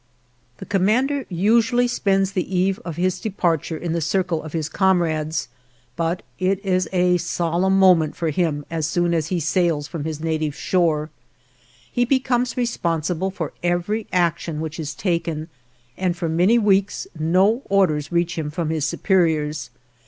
The commander usually spends the eve of his departure in the circle of his comrades, but it is a solemn moment for him as soon as he sails from his native shore. He becomes responsible for every action which is taken, and for many weeks no orders reach him from his superiors.